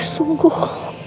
ibu rasa sungguh